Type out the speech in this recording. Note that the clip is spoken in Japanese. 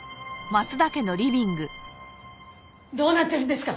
どうなってるんですか？